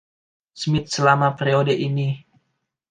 Smith selama periode ini.